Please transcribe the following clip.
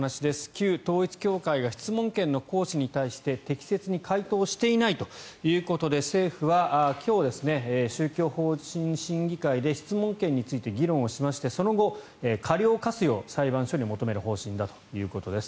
旧統一教会が質問権の行使に対して適切に回答していないということで政府は今日宗教法人審議会で質問権に関して議論をしましてその後、過料を科すよう裁判所に求める方針だということです。